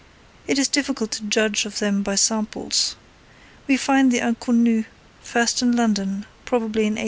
It is difficult to judge of them by samples. We find the Inconnue first in London, probably in 1840.